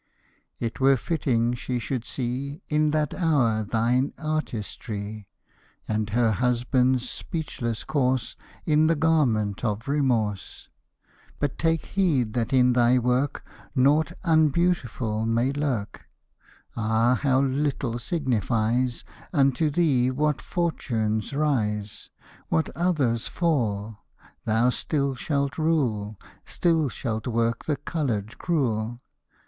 It were fitting she should see In that hour thine artistry, And her husband's speechless corse In the garment of remorse! But take heed that in thy work Naught unbeautiful may lurk. Ah, how little signifies Unto thee what fortunes rise, What others fall! Thou still shalt rule, Still shalt work the colored crewl.